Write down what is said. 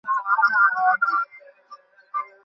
তাই সেখানে ছিলাম।